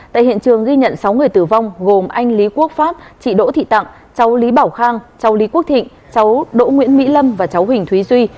tại hiện trường ghi nhận sáu người tử vong gồm anh lý quốc pháp chị đỗ thị tặng cháu lý bảo khang châu lý quốc thịnh cháu đỗ nguyễn mỹ lâm và cháu huỳnh thúy duy